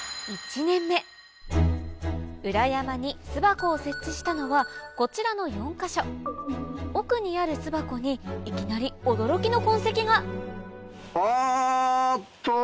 裏山に巣箱を設置したのはこちらの４か所奥にある巣箱にいきなり驚きの痕跡があっと。